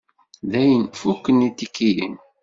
Dayen, fukken itikiyen.